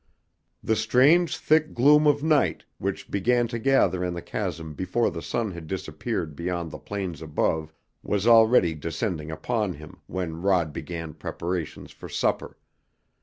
The strange thick gloom of night which began to gather in the chasm before the sun had disappeared beyond the plains above was already descending upon him when Rod began preparations for supper.